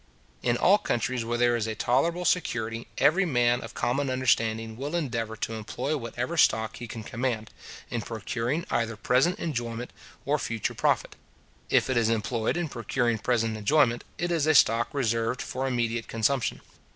In all countries where there is a tolerable security, every man of common understanding will endeavour to employ whatever stock he can command, in procuring either present enjoyment or future profit. If it is employed in procuring present enjoyment, it is a stock reserved for immediate consumption.